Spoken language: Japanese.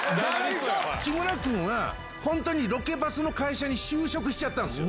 木村君が本当にロケバスの会社に就職しちゃったんですよ。